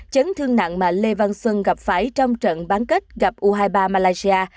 chấn thương nặng mà lê văn xuân gặp phải trong trận bán kết gặp u hai mươi ba malaysia